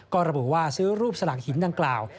ก็ระบุว่าซื้อรูปสลักหินดังกล่าว